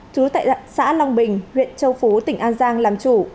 chú tại xã long bình huyện châu phú tỉnh an giang làm chủ